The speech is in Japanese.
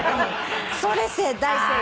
それ大正解。